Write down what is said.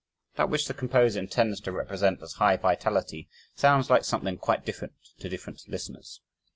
That which the composer intends to represent as "high vitality" sounds like something quite different to different listeners.